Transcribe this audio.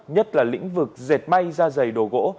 nhất là lĩnh vực dệt may ra giày đồ gỗ